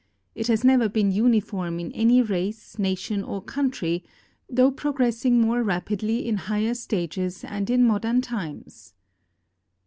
It has never been uni form in any race, nation, or country, though progressing more rapidly in higher stages and in modern times.